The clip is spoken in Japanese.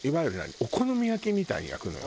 お好み焼きみたいに焼くのよ。